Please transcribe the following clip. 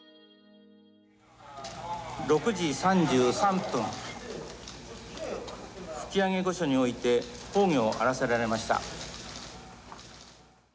「６時３３分吹上御所において崩御あらせられました」。